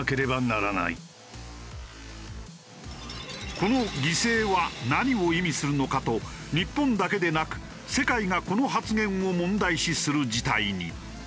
この「犠牲」は何を意味するのか？と日本だけでなく世界がこの発言を問題視する事態に。